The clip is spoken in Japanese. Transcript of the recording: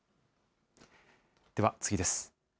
では、次です。